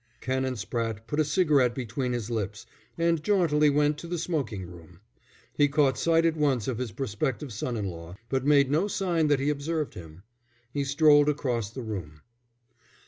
Canon Spratte put a cigarette between his lips and jauntily went to the smoking room. He caught sight at once of his prospective son in law, but made no sign that he observed him. He strolled across the room.